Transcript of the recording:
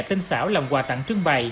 tinh xảo làm quà tặng trưng bày